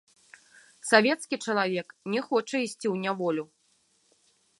Савецкі чалавек не хоча ісці ў няволю.